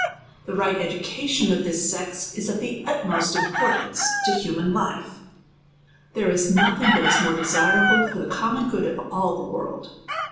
The right education of this sex is of the utmost im portance to human life. There is nothing that is more desirable for the common good of all tlie world.